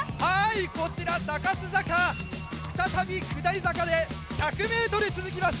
こちら、サカス坂、再び下り坂で、１００ｍ続きます。